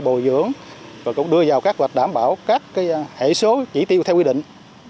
đảm bảo rồi cũng đưa vào các loại đảm bảo các hệ số chỉ tiêu theo quy định